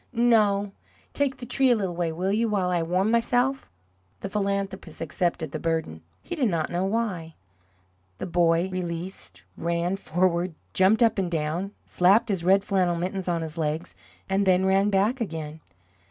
"No. Take the tree a little way, will you, while I warm myself?" The philanthropist accepted the burden he did not know why. The boy, released, ran forward, jumped up and down, slapped his red flannel mittens on his legs, and then ran back again.